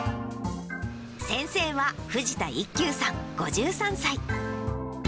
先生は、藤田一休さん５３歳。